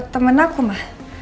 temen aku ma